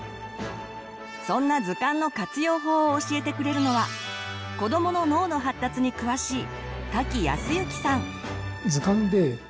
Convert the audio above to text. そんな図鑑の活用法を教えてくれるのは子どもの脳の発達に詳しい瀧靖之さん。